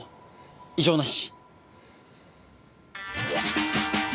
異常なし。